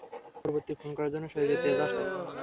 পরবর্তী খুন করার জন্য শরীরে তেজ আসে।